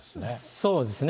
そうですね。